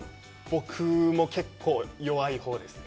僕も結構弱いほうですね。